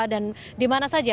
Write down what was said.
dan di mana saja